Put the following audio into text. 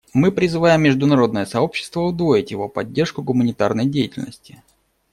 Мы призываем международное сообщество удвоить его поддержку гуманитарной деятельности.